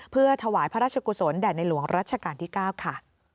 เพื่อถวายพระราชกุศลแด่ในหลวงรัชกาลที่๙ค่ะ